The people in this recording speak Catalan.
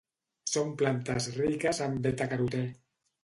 Són plantes riques en betacarotè.